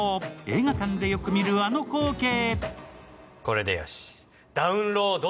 映画館でよく見るあの光景。